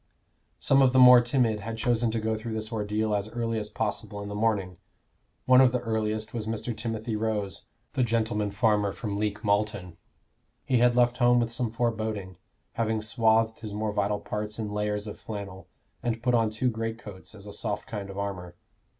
Some of the more timid had chosen to go through this ordeal as early as possible in the morning. One of the earliest was Mr. Timothy Rose, the gentleman farmer from Leek Malton. He had left home with some foreboding, having swathed his more vital parts in layers of flannel, and put on two greatcoats as a soft kind of armor.